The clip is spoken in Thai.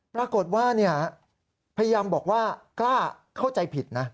ปรากฏว่าพยายามบอกว่ากล้าเข้าใจผิดนะ